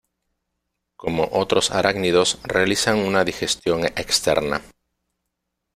Como otros arácnidos realizan una digestión externa.